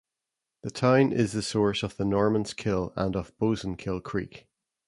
The town is the source of the Normans Kill and of Bozenkill Creek.